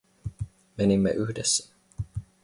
Menimme yhdessä.